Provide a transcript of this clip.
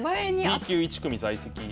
Ｂ級１組在籍。